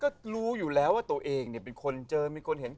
ก็รู้อยู่แล้วว่าตัวเองเนี่ยเป็นคนเจอมีคนเห็น